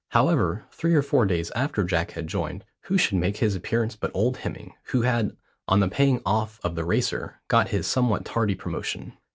However, three or four days after Jack had joined, who should make his appearance but old Hemming, who had, on the paying off of the Racer, got his somewhat tardy promotion.